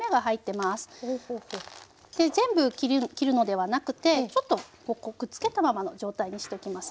で全部切るのではなくてちょっとここくっつけたままの状態にしておきますね。